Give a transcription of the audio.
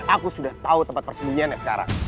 aku sudah tahu tempat persembunyiannya sekarang